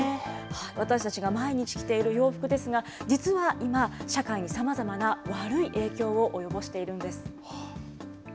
私たちが毎日着ている洋服ですが実は今、社会にさまざまな悪い影響を及ぼしているんです。